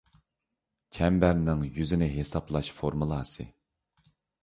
چەمبەرنىڭ يۈزىنى ھېسابلاش فورمۇلاسى